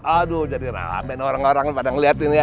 aduh jadi ngapa ngapain orang orang pada ngeliatin ya